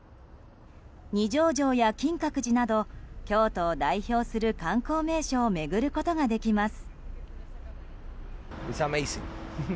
二条城や金閣寺など京都を代表する観光名所を巡ることができます。